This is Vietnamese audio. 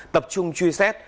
tập trung truy xét